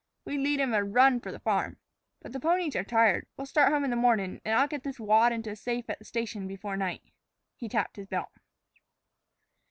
We'd lead 'em a run for the farm. But the ponies are tired. We'll start home in the mornin', and I'll get this wad into a safe at the station before night." He tapped his belt.